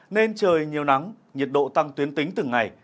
nên trời nhiều nắng nhiệt độ tăng tuyến tính từng ngày